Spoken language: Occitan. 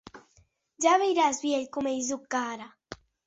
Ja veiràs, vielh, se com ei Zhuchka ara!